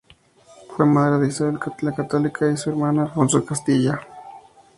Fue madre de Isabel la Católica y su hermano Alfonso de Castilla.